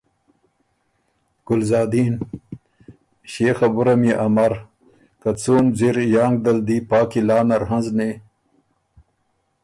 ګلزادین: ݭيې خبُره ميې امر که څُون ځِر یانک دل دی پا قلعه نر هنزنی